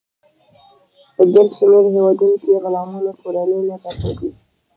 په ګڼ شمیر هیوادونو کې غلامانو کورنۍ نه درلودې.